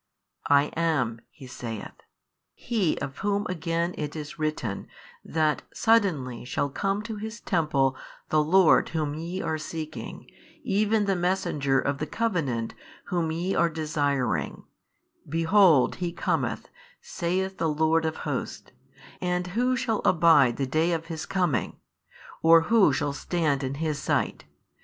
I am (He saith) He of Whom again it is written that suddenly shall come to His Temple the Lord Whom YE are seeking, even the Messenger of the covenant Whom YE are desiring, behold He cometh, saith the Lord of hosts, and who shall abide the Day of His Coming? or who shall stand in His Sight?